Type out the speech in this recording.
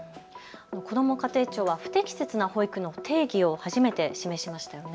こども家庭庁は不適切な保育の定義を初めて示しましたよね。